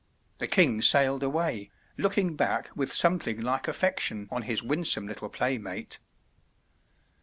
The King sailed away, looking back with something like affection on his winsome little playmate.